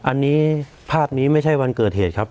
อันนี้ภาพนี้ไม่ใช่วันเกิดเหตุครับ